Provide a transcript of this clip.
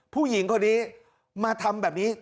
ผู้หญิงคนนี้มาทำแบบนี้